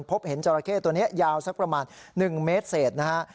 พบเห็นจราเข้ตัวนี้ยาวสักประมาณ๑เมตรเศษนะฮะ